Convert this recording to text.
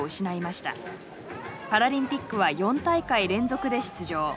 パラリンピックは４大会連続で出場。